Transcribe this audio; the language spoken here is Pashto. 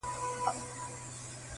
انساني احساسات زخمي کيږي سخت-